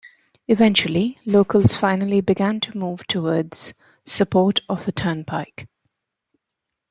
Eventually, locals finally began to move towards support of the turnpike.